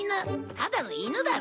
ただの犬だろ。